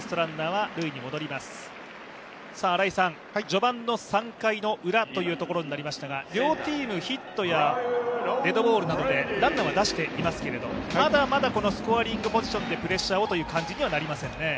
序盤の３回ウラになりましたが、両チーム、ヒットやデッドボールなどでランナーは出していますがまだまだスコアリングポジションでプレッシャーをという感じにはなりませんね。